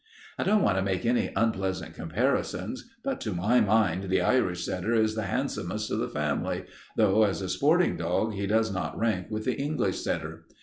"I don't want to make any unpleasant comparisons, but to my mind the Irish setter is the handsomest of the family, though as a sporting dog he does not rank with the English setter.